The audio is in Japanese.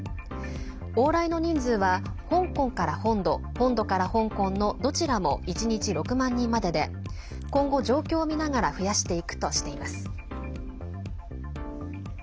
往来の人数は香港から本土本土から香港のどちらも１日６万人までで今後状況を見ながら増やしていくとしています。